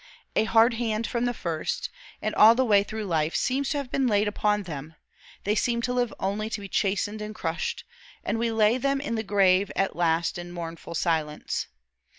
A hard hand from the first, and all the way through life, seems to have been laid upon them; they seem to live only to be chastened and crushed, and we lay them in the grave at last in mournful silence.